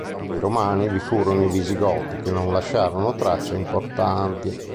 Dopo i Romani vi furono i Visigoti, che non lasciarono tracce importanti.